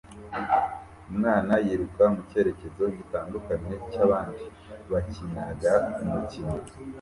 Umwana yiruka mu cyerekezo gitandukanye cyabandi bakinaga umukino